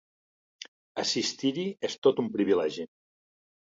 Assistir-hi és tot un privilegi.